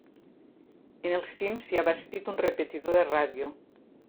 En el cim s'hi ha bastit un repetidor de ràdio.